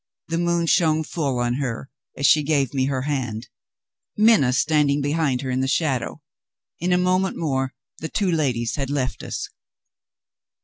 The moon shone full on her as she gave me her hand; Minna standing behind her in the shadow. In a moment more the two ladies had left us.